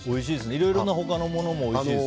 いろいろな他のものもおいしいですか？